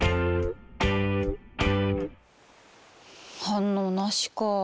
反応なしか。